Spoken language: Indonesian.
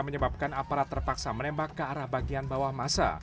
menyebabkan aparat terpaksa menembak ke arah bagian bawah masa